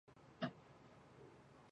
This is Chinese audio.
教学设施完善。